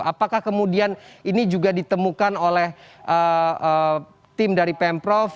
apakah kemudian ini juga ditemukan oleh tim dari pemprov